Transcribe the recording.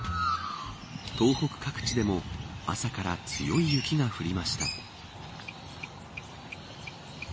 東北各地でも朝から強い雪が降りました。